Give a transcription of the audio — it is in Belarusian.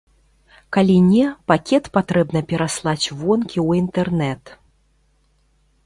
Калі не, пакет патрэбна пераслаць вонкі ў інтэрнэт.